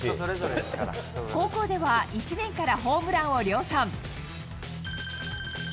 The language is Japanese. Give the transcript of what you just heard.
高校では１年からホームランを量産。